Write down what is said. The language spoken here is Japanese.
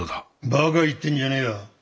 ばか言ってんじゃねえや。